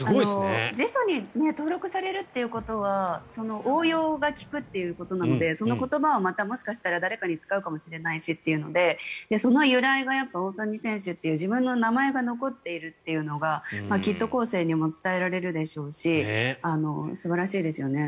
辞書に登録されるということは応用が利くということなのでその言葉はまたもしかしたら誰かに使うかもしれないしというのでその由来が大谷選手という自分の名前が残っているというのがきっと後世にも伝えられるでしょうし素晴らしいですよね。